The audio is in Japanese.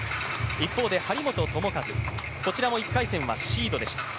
一方で張本智和、こちらも１回戦はシードでした。